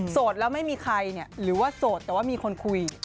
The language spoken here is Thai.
สดแล้วไม่มีใครหรือว่าสดแต่ว่ามีคุย